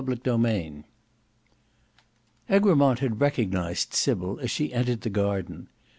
Book 5 Chapter 2 Egremont had recognized Sybil as she entered the garden.